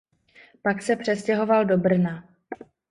Pak se přestěhoval do Brna.